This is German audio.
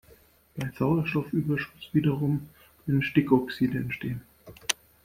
Bei Sauerstoffüberschuss wiederum können Stickoxide entstehen.